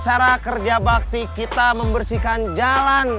cara kerja bakti kita membersihkan jalan